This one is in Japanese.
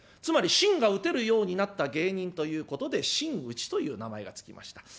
つまりしんが打てるようになった芸人ということで真打という名前が付きました。